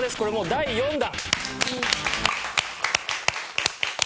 第４弾